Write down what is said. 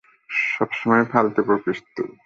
সবসময় ফালতু বকিস তুই।